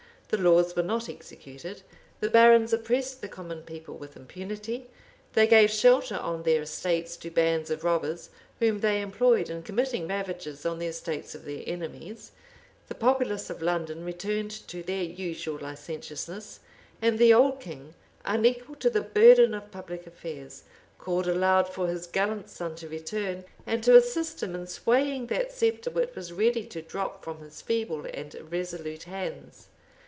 The laws were not executed: the barons oppressed the common people with impunity: they gave shelter on their estates to bands of robbers, whom they employed in committing ravages on the estates of their enemies: the populace of London returned to their usual licentiousness: and the old king, unequal to the burden of public affairs, called aloud for his gallant son to return,[] and to assist him in swaying that sceptre which was ready to drop from his feeble and irresolute hands.